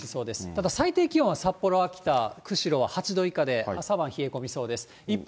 ただ、最低気温は札幌、秋田、釧路、８度以下、冷え込みそうです。